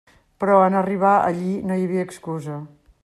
Però en arribar allí no hi havia excusa.